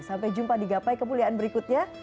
sampai jumpa di gapai kemuliaan berikutnya